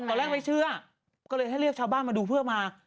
ตอนแรกไม่เชื่อก็เลยให้เรียกชาวบ้านมาดูเพื่อมา